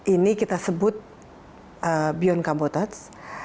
ini kita sebut beyond kambotods